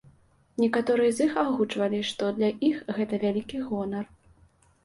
Некаторыя з іх агучвалі, што для іх гэта вялікі гонар.